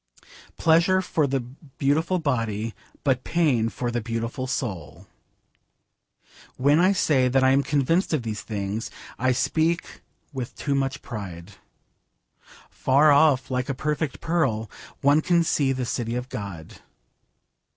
Pleasure for the beautiful body, but pain for the beautiful soul. When I say that I am convinced of these things I speak with too much pride. Far off, like a perfect pearl, one can see the city of God.